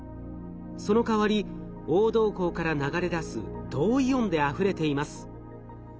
そのかわり黄銅鉱から流れ出す銅イオンであふれています。